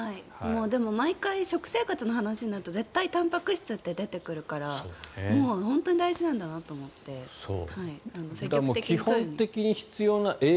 でも毎回食生活の話になると絶対にたんぱく質って出てくるから本当に大事なんだなと思って積極的に取りたい。